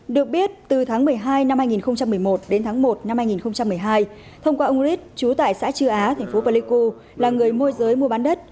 được biết từ tháng một mươi hai năm hai nghìn một mươi một đến tháng một năm hai nghìn một mươi hai thông qua ông riết chú tại xã chư á thành phố pleiku là người môi giới mua bán đất